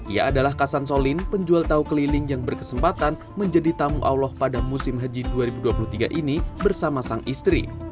ia adalah kasan solin penjual tahu keliling yang berkesempatan menjadi tamu allah pada musim haji dua ribu dua puluh tiga ini bersama sang istri